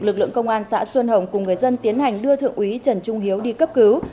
lực lượng công an xã xuân hồng cùng người dân tiến hành đưa thượng úy trần trung hiếu đi cấp cứu